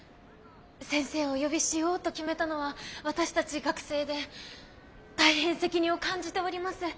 先生をお呼びしようと決めたのは私たち学生で大変責任を感じております。